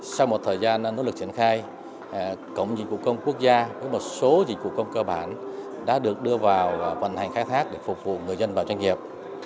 sau một thời gian nỗ lực triển khai cổng dịch vụ công quốc gia với một số dịch vụ công cơ bản đã được đưa vào và vận hành khai thác để phục vụ người dân và doanh nghiệp